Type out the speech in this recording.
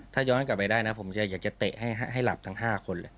ถ้าย้อนกลับไปได้นะผมอยากจะเตะให้หลับทั้ง๕คนเลย